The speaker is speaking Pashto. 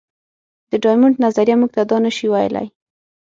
د ډایمونډ نظریه موږ ته دا نه شي ویلی.